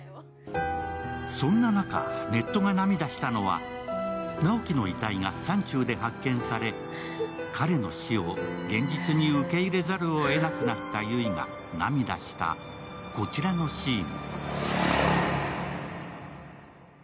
そんな中、ネットが涙したのは直木の痛いが山中で発見され彼の死を現実に受け入れざるをえなくなった悠依が涙したこちらのシーン。